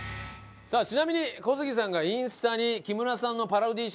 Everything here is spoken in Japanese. さあちなみに小杉さんがインスタにえっパロディ？